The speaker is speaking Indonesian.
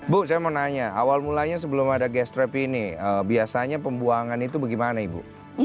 bu saya mau nanya awal mulanya sebelum ada gas trap ini biasanya pembuangan itu bagaimana ibu